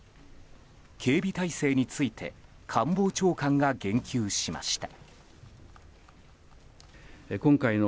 警備体制について官房長官が言及しました。